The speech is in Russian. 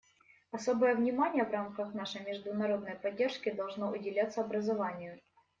Особое внимание в рамках нашей международной поддержки должно уделяться образованию.